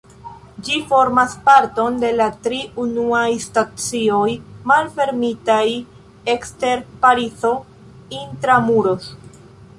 Ĝi formas parton de la tri unuaj stacioj malfermitaj ekster Parizo "intra-muros".